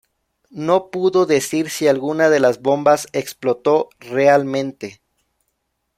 No pudo decir si alguna de las bombas explotó realmente.